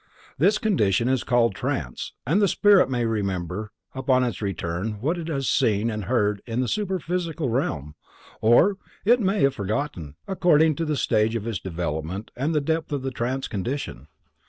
This condition is called trance, and the spirit may remember upon its return what it has seen and heard in the super physical realm, or it may have forgotten, according to the stage of its development and the depth of the trance condition.